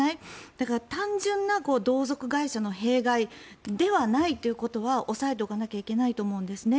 だから、単純な同族会社の弊害ではないということは押さえておかなきゃいけないと思うんですね。